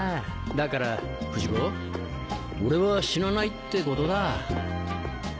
だから不二子俺は死なないってことだ。